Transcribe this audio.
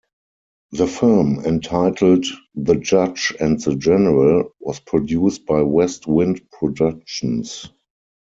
The film, entitled "The Judge and the General", was produced by West Wind Productions.